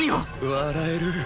笑える